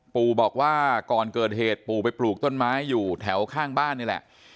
ปู่บอกว่าก่อนเกิดเหตุปู่ไปปลูกต้นไม้อยู่แถวข้างบ้านนี่แหละ